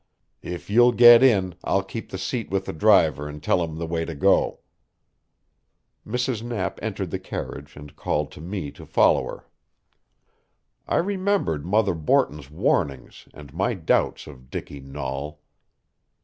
If you'll get in, I'll keep the seat with the driver and tell him the way to go." Mrs. Knapp entered the carriage, and called to me to follow her. I remembered Mother Borton's warnings and my doubts of Dicky Nahl.